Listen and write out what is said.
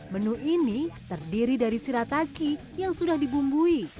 menu ini terdiri dari sirataki yang sudah dibumbui